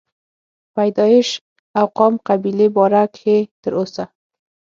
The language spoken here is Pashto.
پيدائش او قام قبيلې باره کښې تر اوسه